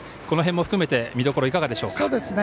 この辺も含めて見どころ、いかがでしょうか？